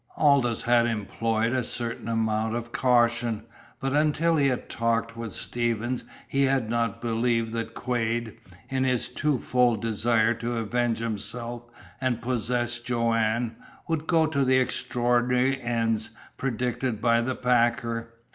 Aldous had employed a certain amount of caution, but until he had talked with Stevens he had not believed that Quade, in his twofold desire to avenge himself and possess Joanne, would go to the extraordinary ends predicted by the packer.